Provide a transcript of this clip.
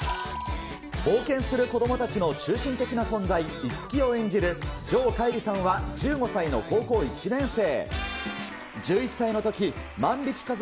冒険する子どもたちの中心的な存在、一樹を演じる城桧吏さんは１５歳の高校１年生。